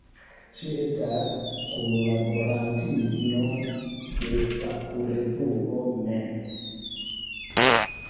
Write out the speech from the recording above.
Ŝi estas kunlaborantino de fakrevuo "Me.